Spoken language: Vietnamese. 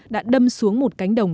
đã đâm xuống một cánh đồng